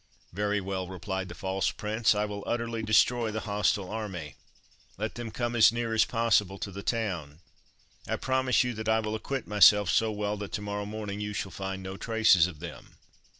"Very well," replied the false prince, "I will utterly destroy the hostile army. Let them come as near as possible to the town. I promise you that I will acquit myself so well, that to morrow morning you shall find no traces of them."